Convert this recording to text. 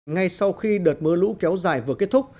ngay sau khi đợt mưa lũ kéo dài vừa kết thúc